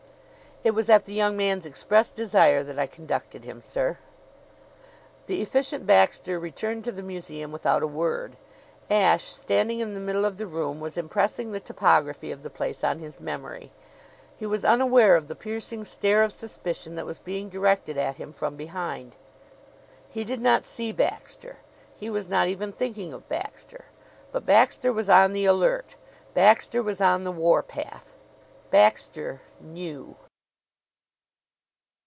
"It was at the young man's express desire that I conducted him, sir." The Efficient Baxter returned to the museum without a word. Ashe, standing in the middle of the room, was impressing the topography of the place on his memory. He was unaware of the piercing stare of suspicion that was being directed at him from behind. He did not see Baxter. He was not even thinking of Baxter; but Baxter was on the alert. Baxter was on the warpath. Baxter knew!